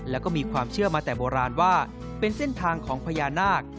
แล้วก็มีความเชื่อมาแต่โบราณว่าเป็นเส้นทางของพญานาค